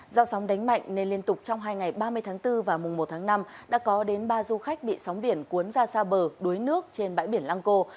do sóng đánh mạnh nên liên tục trong hai ngày ba mươi tháng bốn và mùng một tháng năm đã có đến ba du khách bị sóng biển cuốn ra xa bờ đuối nước trên bãi biển lăng cô